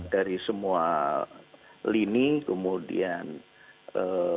dari semua lini kemudian yang jelas kalau dari luar